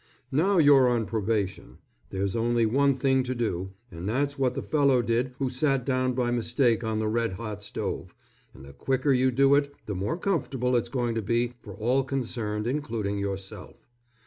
Now you're on probation, there's only one thing to do, and that's what the fellow did who sat down by mistake on the red hot stove, and the quicker you do it the more comfortable it's going to be for all concerned including yourself.